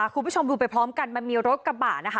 คุณผู้ชมดูไปพร้อมกันมันมีรถกระบะนะคะ